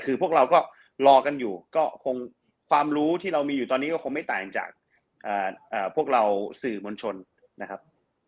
คือพวกเราก็รอกันอยู่ก็คงความรู้ที่เรามีอยู่ตอนนี้ก็คงไม่ต่างจากพวกเราสื่อมวลชนนะครับ